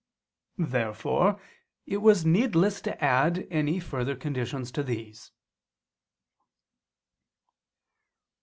Therefore it was needless to add any further conditions to these.